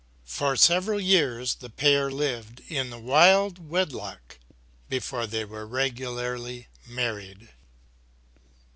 For several years the pair lived in wild wedlock before they were regularly married.